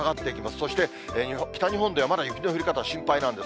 そして、北日本ではまだ雪の降り方心配なんです。